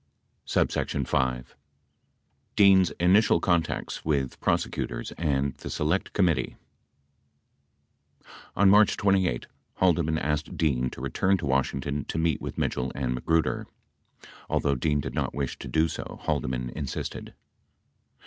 69 5. dean's initial contacts with prosecutors and the select COMMITTEE On March 28, Haldeman asked Dean to return to Washington to meet with Mitchell and Magruder. Although Dean did not wish to do so, Haldeman insisted.